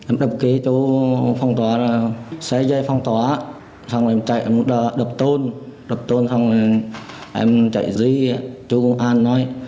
em đập kế chỗ xe dây phong tỏa xong rồi em chạy đập tôn đập tôn xong rồi em chạy dưới chỗ công an nói